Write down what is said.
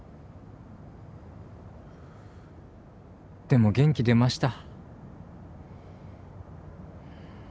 でも元気出ました。